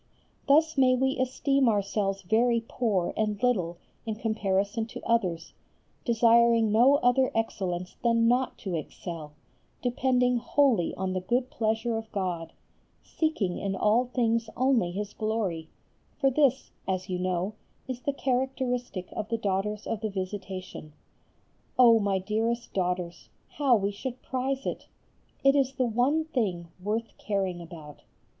Thus may we esteem ourselves very poor and little in comparison to others, desiring no other excellence than not to excel, depending wholly on the good pleasure of God, seeking in all things only His glory, for this, as you know, is the characteristic of the daughters of the Visitation. Oh! my dearest daughters, how we should prize it! It is the one thing worth caring about.